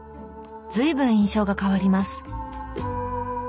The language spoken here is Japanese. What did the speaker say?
随分印象が変わります。